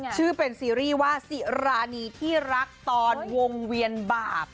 ชื่อเป็นซีรีส์ว่าสิรานีที่รักตอนวงเวียนบาป